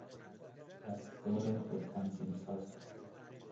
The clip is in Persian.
دستگاه خودتنظیم ساز